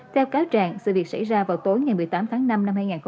theo cáo tràng sự việc xảy ra vào tối ngày một mươi tám tháng năm năm hai nghìn một mươi tám